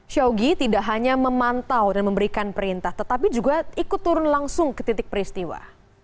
syawgi tidak hanya memantau dan memberikan perintah tetapi juga ikut turun langsung ke titik peristiwa